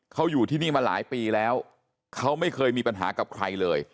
เขาอยู่ที่นี่มาหลายปีแล้วเขาไม่เคยมีปัญหากับใครเลย